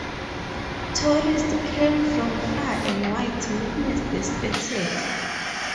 Tourists come from far and wide to witness the spectacle.